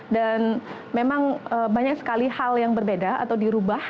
dan memang banyak sekali hal yang berbeda atau dirubah